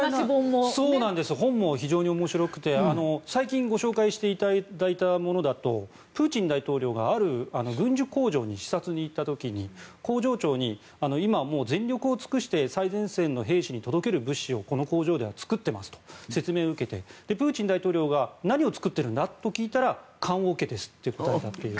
本も面白くて最近ご紹介していただいたものだとプーチン大統領がある軍需工場に視察に行った時に工場長に今全力を挙げてこの工場では前線に送る物資を作っていますと説明を受けてプーチン大統領が何を作っているんだと聞いたら棺桶ですと答えたという。